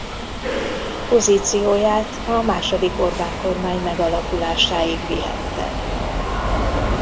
Pozícióját a második Orbán-kormány megalakulásáig vihette.